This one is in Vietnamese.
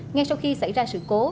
ngay sau khi xảy ra sự cố